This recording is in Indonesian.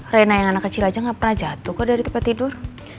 rena yang anak kecil aja gak pernah jatuh kok dari tempat tidur